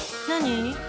何？